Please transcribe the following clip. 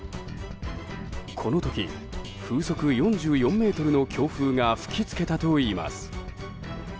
この時、風速４４メートルの強風が吹きつけたといいます。